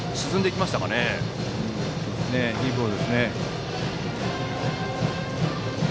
いいボールですね。